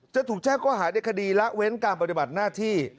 จะถูกแจ้งข้อหาในคดีละเว้นการปฏิบัติหน้าที่